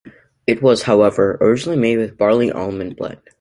It was, however, originally made with a barley-almond blend.